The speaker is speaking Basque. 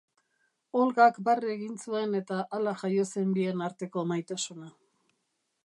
Olgak barre egin zuen eta hala jaio zen bien arteko maitasuna.